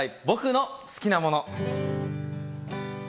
僕の好きなもの。